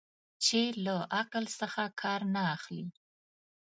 چې له عقل څخه کار نه اخلي.